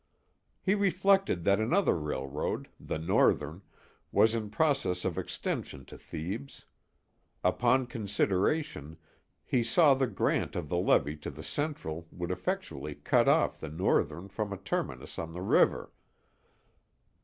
He reflected that another railroad the Northern was in process of extension to Thebes. Upon consideration, he saw that the grant of the levee to the Central would effectually cut off the Northern from a terminus on the river.